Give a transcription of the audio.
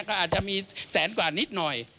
ก็อาจจะมีแสนกว่านิดหน่อย